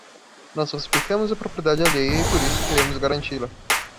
Nós respeitamos a propriedade alheia e por isso queremos garanti-la.